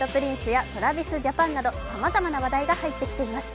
Ｋｉｎｇ＆ＰｒｉｎｃｅやＴｒａｖｉｓＪａｐａｎなどさまざまな話題が入ってきています。